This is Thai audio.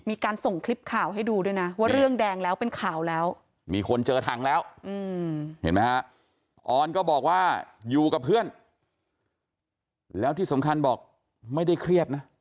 มีการส่งคลิปข่าวให้ดูด้วยนะว่าเรื่องแดงแล้วเป็นข่าวแล้วมีคนเจอถังแล้วเห็นไหมฮะออนก็บอกว่าอยู่กับเพื่อนแล้วที่สำคัญบอกไม่ได้เครียดนะ